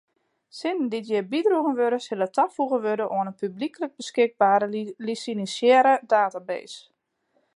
Sinnen dy’t hjir bydroegen wurde sille tafoege wurde oan in publyklik beskikbere lisinsearre dataset.